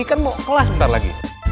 ini kan mau kelas sebentar lagi